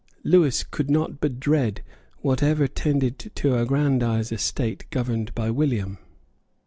Lewis could not but dread whatever tended to aggrandise a state governed by William.